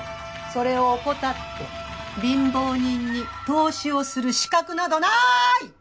それを怠って貧乏人に投資をする資格などない！